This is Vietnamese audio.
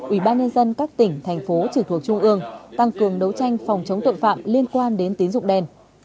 ủy ban nhân dân các tỉnh thành phố trực thuộc trung ương tăng cường đấu tranh phòng chống tội phạm liên quan đến tín dụng đen